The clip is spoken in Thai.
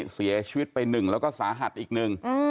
เสียชีวิตไปหนึ่งแล้วก็สาหัสอีกหนึ่ง